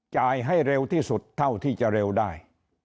จ่ายให้เร็วที่สุดเท่าที่จะเร็วได้